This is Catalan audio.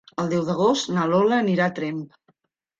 El deu d'agost na Lola anirà a Tremp.